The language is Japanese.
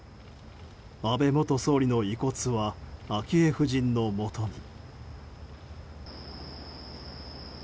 安倍元総理の遺骨は昭恵夫人のもとに。